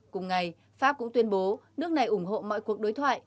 cùng ngày pháp cũng tuyên bố nước này ủng hộ mọi cuộc đối thoại